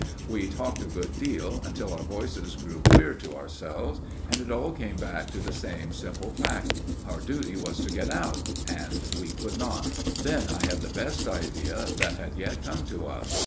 We talked a good deal, until our voices grew queer to ourselves, and it all came back to the same simple fact our duty was to get out, and we couldn't. Then I had the best idea that had yet come to us.